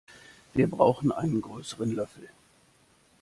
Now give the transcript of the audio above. Wir brauchen einen größeren Löffel.